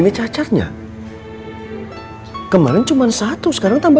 nah sebagai mereka sendiri